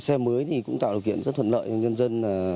xe mới thì cũng tạo điều kiện rất thuận lợi cho nhân dân